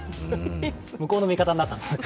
向こうの味方になったんですね。